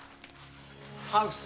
ハウス。